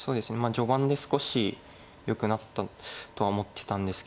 序盤で少しよくなったとは思ってたんですけど。